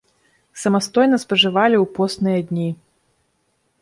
Самастойна спажывалі ў посныя дні.